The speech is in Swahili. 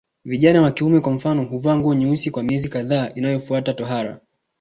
Vijana wa kiume kwa mfano huvaa nguo nyeusi kwa miezi kadhaa inayofuata tohara